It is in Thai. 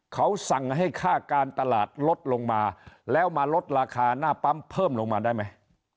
เขาสั่งให้ค่าการตลาดลดลงมาแล้วมาลดราคาหน้าปั๊มเพิ่มลงมาได้ไหม